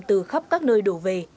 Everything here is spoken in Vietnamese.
từ khắp các nơi đổ về